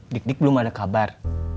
dik dik belum ada kabar